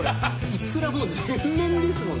イクラ全面ですもん。